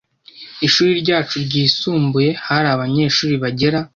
Ishuri ryacu ryisumbuye hari abanyeshuri bagera